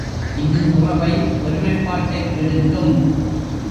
இது உறவை, ஒருமைப்பாட்டைக் கெடுக்கும்.